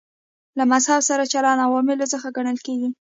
له مذهب سره چلند عواملو څخه ګڼل کېږي.